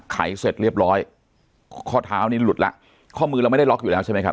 ไขเสร็จเรียบร้อยข้อเท้านี้หลุดแล้วข้อมือเราไม่ได้ล็อกอยู่แล้วใช่ไหมครับ